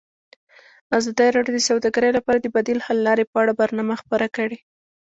ازادي راډیو د سوداګري لپاره د بدیل حل لارې په اړه برنامه خپاره کړې.